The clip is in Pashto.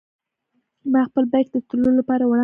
ما خپل بېک د تللو لپاره وړاندې کړ.